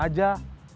aku juga perempuan